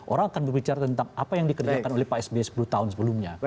orang akan berbicara tentang apa yang dikerjakan oleh pak sby sepuluh tahun sebelumnya